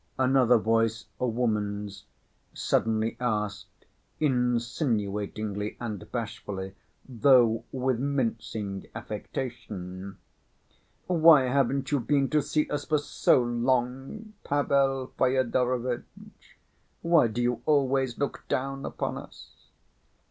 Another voice, a woman's, suddenly asked insinuatingly and bashfully, though with mincing affectation: "Why haven't you been to see us for so long, Pavel Fyodorovitch? Why do you always look down upon us?"